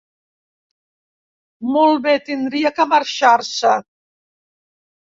Molt bé, tindria que marxar-se.